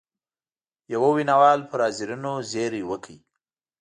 یوه ویناوال پر حاضرینو زېری وکړ.